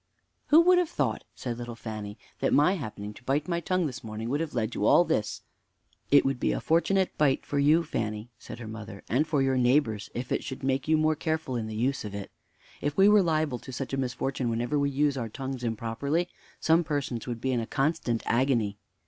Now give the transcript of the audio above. "Who would have thought," said little Fanny, "that my happening to bite my tongue this morning would have led to all this?" "It would be a fortunate bite for you, Fanny," said her mother, "and for your neighbors, if it should make you more careful in the use of it. If we were liable to such a misfortune whenever we use our tongues improperly, some persons would be in a constant agony.